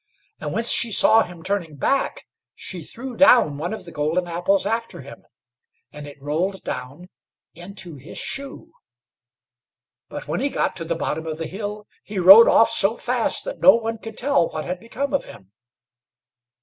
And when she saw him turning back, she threw down one of the golden apples after him, and it rolled down into his shoe. But when he got to the bottom of the hill, he rode off so fast that no one could tell what had become of him.